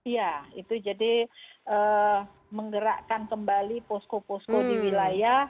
ya itu jadi menggerakkan kembali posko posko di wilayah